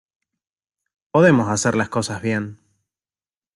podemos hacer las cosas bien.